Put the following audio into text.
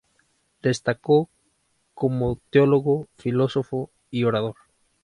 Destacó como teólogo, filósofo y orador.